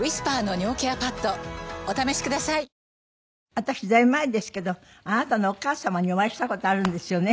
私だいぶ前ですけどあなたのお母様にお会いした事あるんですよね。